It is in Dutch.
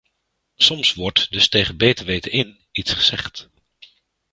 Soms wordt dus tegen beter weten in iets gezegd.